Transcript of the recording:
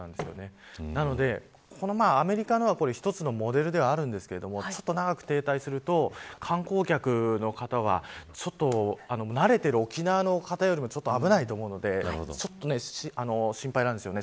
なので、アメリカのは１つのモデルではあるんですがちょっと長く停滞すると観光客の方は慣れている沖縄の方よりも危ないと思うのでちょっと心配なんですよね。